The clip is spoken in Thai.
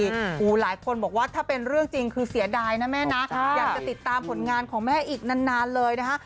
โอ้โหหลายคนบอกว่าถ้าเป็นเรื่องจริงคือเสียดายนะแม่นะอยากจะติดตามผลงานของแม่อีกนานนานเลยนะคะ